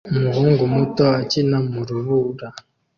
umuhungu muto akina mu rubura